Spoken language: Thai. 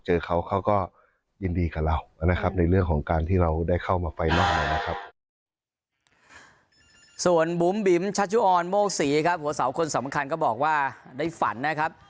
เจอเขาเขาก็ยินดีกับเรานะครับในเรื่องของการที่เราได้เข้ามาไฟล่างหน่อยนะครับ